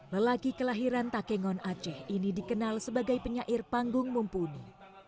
lelaki kelahiran takengon aceh ini dikenal sebagai penyair panggung mumpuni